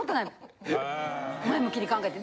前向きに考えて。